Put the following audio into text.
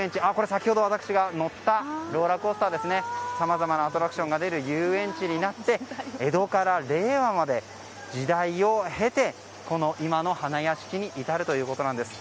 先ほど私が乗ったローラーコースターなどさまざまなアトラクションがある遊園地となって江戸から令和まで時代を経て今の花やしきに至るということなんです。